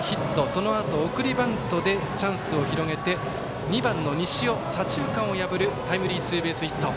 そのあと送りバントでチャンスを広げて２番の西尾、左中間を破るタイムリーツーベースヒット。